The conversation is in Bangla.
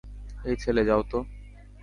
এই ছেলে, যাও তো!